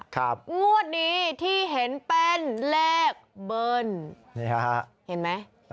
งวดนี้ที่เห็นเป็นเลขเบิ้ลนี่ฮะเห็นไหม